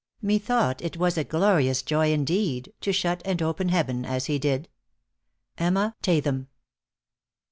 * Methought it was a glorious joy, indeed, To shut and open heaven as he did. EMMA TATHAM.